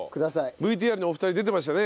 ＶＴＲにお二人出てましたね。